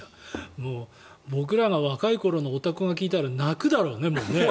僕らが若い頃のオタクが聞いたら泣くだろうね、もう。